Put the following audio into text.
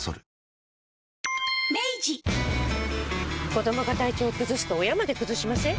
子どもが体調崩すと親まで崩しません？